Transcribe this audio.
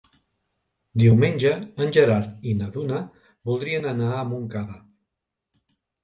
Diumenge en Gerard i na Duna voldrien anar a Montcada.